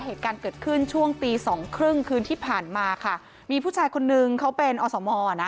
เหตุการณ์เกิดขึ้นช่วงตีสองครึ่งคืนที่ผ่านมาค่ะมีผู้ชายคนนึงเขาเป็นอสมอ่ะนะ